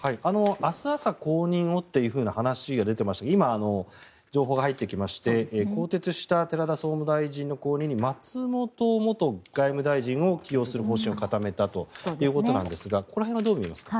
明日朝後任をという話が出ていましたが今、情報が入ってきまして更迭した寺田総務大臣の後任に松本元外務大臣を起用する方針を固めたということなんですがここら辺はどう見ますか？